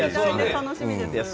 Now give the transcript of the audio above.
楽しみですよね